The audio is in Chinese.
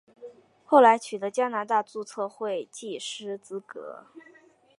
后来取得加拿大注册会计师资格。